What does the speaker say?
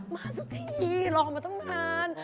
มาสักทีรอมาตั้งนาน